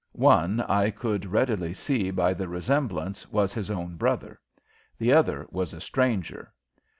One, I could readily see by the resemblance, was his own brother. The other was a stranger.